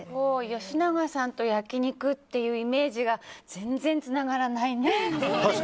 吉永さんと焼き肉というイメージが全然つながらないね。